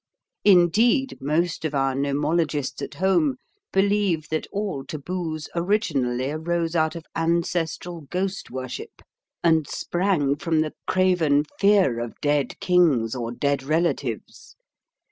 Indeed, most of our nomologists at home believe that all taboos originally arose out of ancestral ghost worship, and sprang from the craven fear of dead kings or dead relatives.